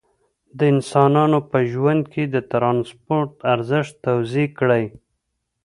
د انسانانو په ژوند کې د ترانسپورت ارزښت توضیح کړئ.